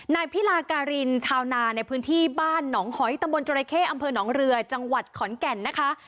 นายพิลาการินชาวนาในพื้นที่บ้านหนองหอยตำบลจรเข้อำเภอหนองเรือจังหวัดขอนแก่นนะคะ